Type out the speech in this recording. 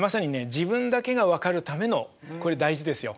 自分だけが分かるためのこれ大事ですよ。